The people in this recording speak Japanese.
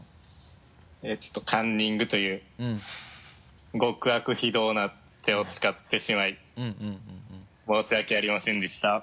ちょっとカンニングという極悪非道な手を使ってしまい申し訳ありませんでした。